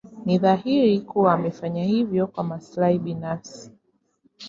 Ni dhahiri kuwa amefanya hivyo kwa maslahi binafsi.